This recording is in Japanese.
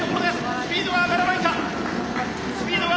スピードは上がらないか。